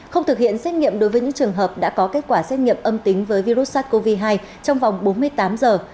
không thực hiện xét nghiệm đối với những trường hợp đã có kết quả xét nghiệm âm tính với virus sars cov hai trong vòng bốn mươi tám giờ